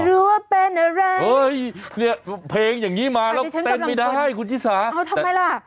ว่าเป็นอะไรเฮ้ยเนี่ยเพลงอย่างนี้มาแล้วเต้นไม่ได้คุณชิสาเอาทำไมล่ะ